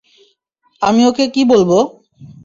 আমি ওকে কী বলবো?